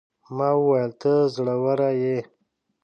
ما وويل: ته زړوره يې.